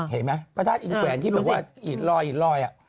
เห็นไหมพระธาตุอินแขวนที่รอยอินรอย